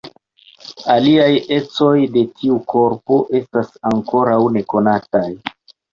Aliaj ecoj de tiu korpo estas ankoraŭ nekonataj.